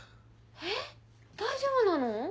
えっ大丈夫なの？